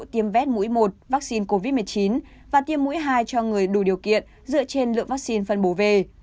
tiêm vét mũi một vaccine covid một mươi chín và tiêm mũi hai cho người đủ điều kiện dựa trên lượng vaccine phân bổ về